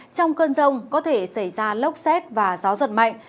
trong cơn rông có thể xảy ra lốc xét và gió giật mạnh